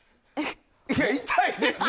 いや、痛いでしょ！